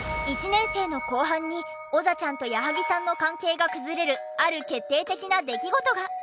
１年生の後半におざちゃんと矢作さんの関係が崩れるある決定的な出来事が。